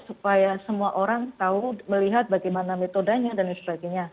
supaya semua orang tahu melihat bagaimana metodenya dan sebagainya